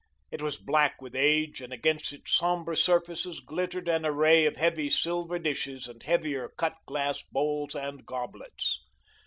It was black with age, and against its sombre surfaces glittered an array of heavy silver dishes and heavier cut glass bowls and goblets.